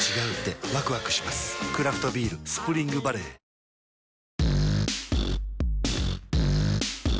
クラフトビール「スプリングバレー」［それでは］